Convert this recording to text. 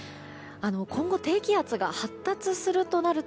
今後、低気圧が発達するとなると